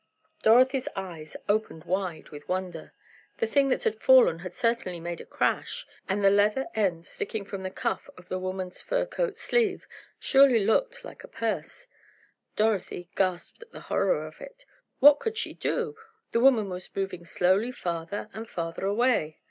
Dorothy's eyes opened wide with wonder! The thing that had fallen had certainly made a crash! and the leather end sticking from the cuff of the woman's fur coat sleeve surely looked like a purse! Dorothy gasped at the horror of it! What could she do? The woman was moving slowly farther and farther away.